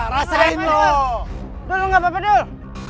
rasain lo dulu nggak pedul